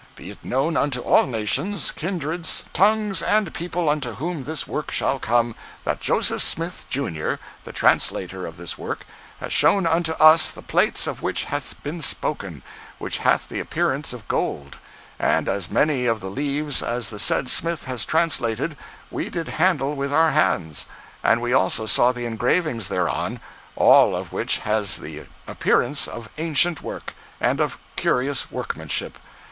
Be it known unto all nations, kindreds, tongues, and people unto whom this work shall come, that Joseph Smith, Jr., the translator of this work, has shown unto us the plates of which hath been spoken, which have the appearance of gold; and as many of the leaves as the said Smith has translated, we did handle with our hands; and we also saw the engravings thereon, all of which has the appearance of ancient work, and of curious workmanship.